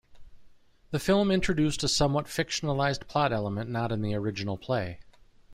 The film introduced a somewhat fictionalized plot element not in the original play.